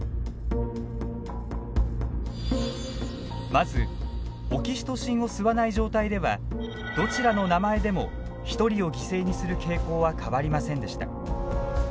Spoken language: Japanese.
まずオキシトシンを吸わない状態ではどちらの名前でも１人を犠牲にする傾向は変わりませんでした。